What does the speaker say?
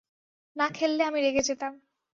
না খেললে আমি রেগে যেতাম।